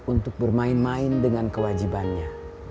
untuk bermain main dengan kewajibannya